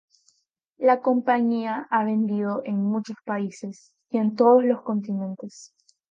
La compañía ha vendido en muchos países y en todos los continentes.